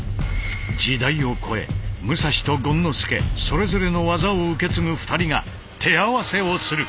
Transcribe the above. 時代を超え武蔵と権之助それぞれの技を受け継ぐ２人が手合わせをする。